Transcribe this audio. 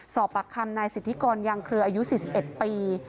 สปคนสิทธิกรยังเครืออายุ๔๑ปี